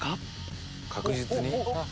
確実に？